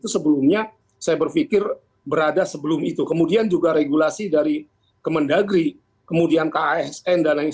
sebelumnya saya berpikir berada sebelum itu kemudian juga regulasi dari kemendagri kemudian kasn dan lain